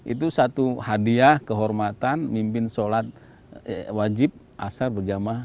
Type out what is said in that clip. itu satu hadiah kehormatan mimpin solat wajib azar berjamaah